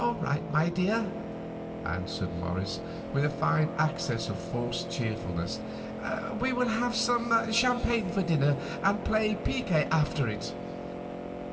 "All right, dear," answered Morris, with a fine access of forced cheerfulness, "we will have some champagne for dinner and play picquet after it."